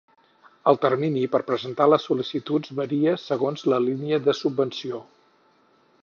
El termini per presentar les sol·licituds varia segons la línia de subvenció.